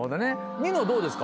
ニノどうですか？